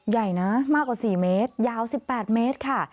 ใหญ่นะมากกว่า๔เมตรยาว๑๘เมตรค่ะ